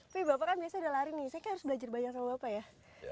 tapi bapak kan biasanya udah lari nih saya harus belajar banyak sama bapak ya